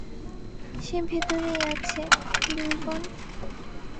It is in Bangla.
সে ভেতরেই আছে, লিংকন।